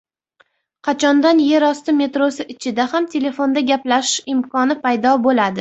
Qachondan yer osti metrosi ichida ham telefonda gaplashish imkoni paydo bo‘ladi?